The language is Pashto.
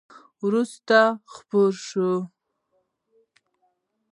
وروسته خپره شوه !